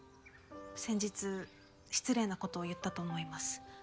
先日失礼な事を言ったと思います。